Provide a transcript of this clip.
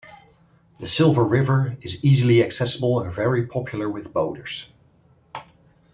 The Silver River is easily accessible and very popular with boaters.